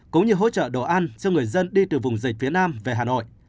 cũng như hỗ trợ đồ ăn cho người dân đi từ vùng dịch phía nam về hà nội